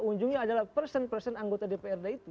ujungnya adalah person person anggota dprd itu